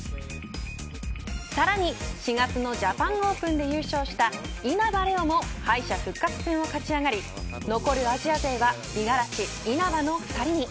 さらに４月のジャパンオープンで優勝した稲葉玲王も敗者復活戦を勝ち上がり残るアジア勢は五十嵐、稲葉の２人に。